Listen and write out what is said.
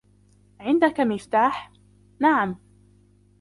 عندك مفتاح؟ "نعم."